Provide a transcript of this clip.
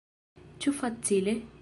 Ĉu facile?